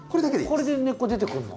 これで根っこ出てくるの？